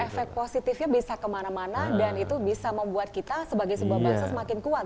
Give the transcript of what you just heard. jadi efek positifnya bisa kemana mana dan itu bisa membuat kita sebagai sebuah bangsa semakin kuat